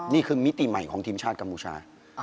มิติใหม่ของทีมชาติกัมพูชา